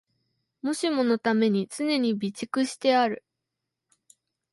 もしものために常に備蓄してある